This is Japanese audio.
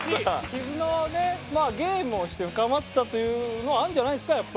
絆はねまあゲームをして深まったというのはあるんじゃないですか？